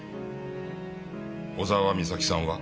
小沢美咲さんは？